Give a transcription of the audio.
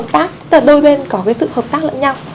tức là đôi bên có cái sự hợp tác lẫn nhau